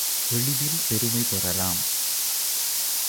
எளிதில் பெருமை பெறலாம்.